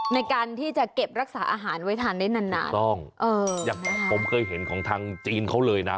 ในการที่จะเก็บรักษาอาหารไว้ทานได้นานนานถูกต้องเอออย่างผมเคยเห็นของทางจีนเขาเลยนะ